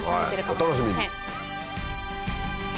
お楽しみに。